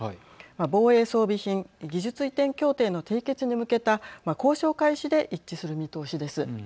防衛装備品・技術移転協定の締結に向けた交渉開始で一致する見通しです。